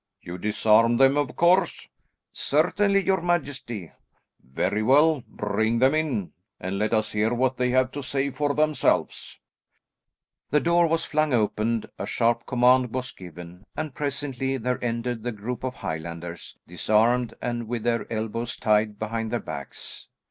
"You disarmed them, of course?" "Certainly, your majesty." "Very well; bring them in and let us hear what they have to say for themselves." The doors were flung open, a sharp command was given, and presently there entered the group of Highlanders, disarmed and with their elbows tied behind their backs.